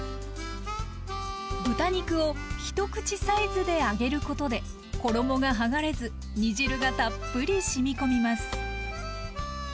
豚肉を一口サイズで揚げることで衣がはがれず煮汁がたっぷりしみ込みます。